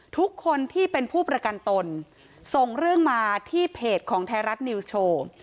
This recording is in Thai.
ทุกคนที่เป็นผู้ประกันตนส่งเรื่องมาที่เพจของไทยรัฐนิวส์โชว์